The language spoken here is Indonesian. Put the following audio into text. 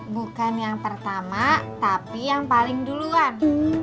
bukan yang pertama tapi yang paling duluan